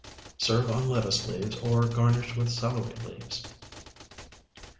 Serve on lettuce leaves or garnish with celery leaves.